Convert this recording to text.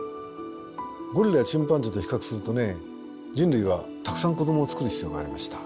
ゴリラやチンパンジーと比較するとね人類はたくさん子どもをつくる必要がありました。